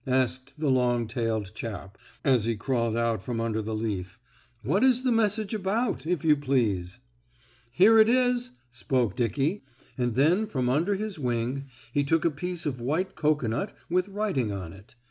asked the long tailed chap, as he crawled out from under the leaf. "What is the message about, if you please?" "Here it is," spoke Dickie, and then from under his wing he took a piece of white cocoanut with writing on it.